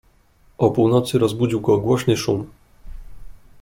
"O północy rozbudził go głośny szum."